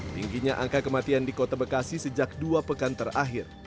tingginya angka kematian di kota bekasi sejak dua pekan terakhir